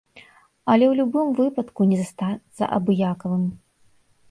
Але ў любым выпадку не застацца абыякавым.